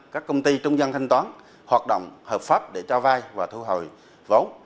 các công ty trung dân thanh toán hoạt động hợp pháp để cho vay và thu hồi vốn